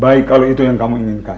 baik kalau itu yang kamu inginkan